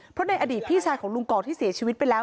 เพราะในอดีตพี่ชายของลุงกอกที่เสียชีวิตไปแล้ว